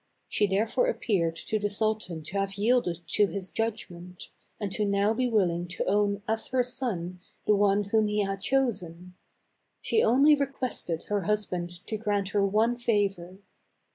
She therefore appeared to the sultan to have yielded to his judgment, and to now be willing to own as her son the one whom he had chosen; she only requested her husband to grant her one favor.